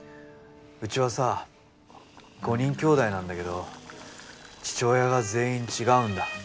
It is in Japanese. うちはさ５人きょうだいなんだけど父親が全員違うんだ。